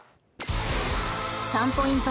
３ポイント